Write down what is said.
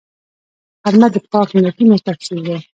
غرمه د پاک نیتونو تفسیر دی